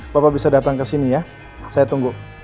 bapak bisa datang kesini ya saya tunggu